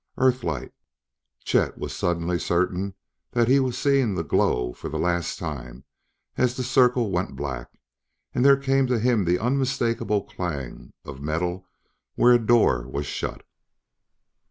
Earthlight! Chet was suddenly certain that he was seeing that glow for the last time as the circle went black, and there came to him the unmistakable clang of metal where a door was shut.